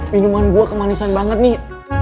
minuman gue kemanisan banget nih